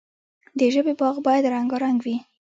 د ژبې باغ باید رنګارنګ وي.